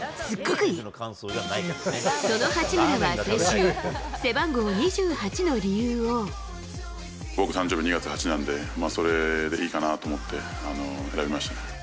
その八村は先週、僕、誕生日２月８なので、それでいいかなと思って、選びましたね。